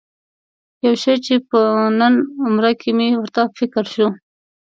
یو شی چې په نن عمره کې مې ورته فکر شو.